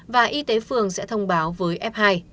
và y tế phường sẽ thông báo với f hai